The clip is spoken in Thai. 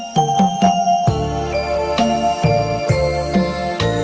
เป็นยังไงคะ